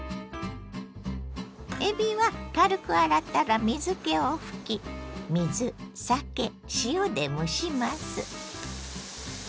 えびは軽く洗ったら水けを拭き水酒塩で蒸します。